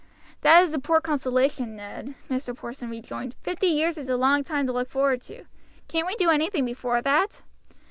"That is a poor consolation, Ned," Mr. Porson rejoined. "Fifty years is a long time to look forward to. Can't we do anything before that?"